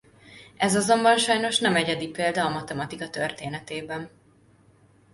Ez azonban sajnos nem egyedi példa a matematika történetében.